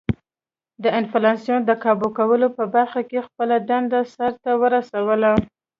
د انفلاسیون د کابو کولو په برخه کې خپله دنده سر ته ورسوله.